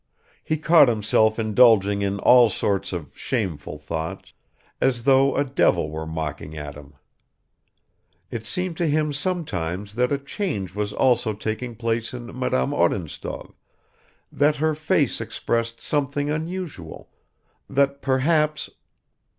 He caught himself indulging in all sorts of "shameful thoughts," as though a devil were mocking at him. It seemed to him sometimes that a change was also taking place in Madame Odintsov, that her face expressed something unusual, that perhaps